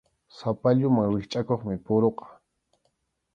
Sapalluman rikchʼakuqmi puruqa.